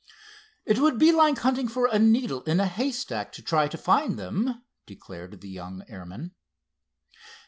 "It would be like hunting for a needle in a haystack to try and find them," declared the young airman.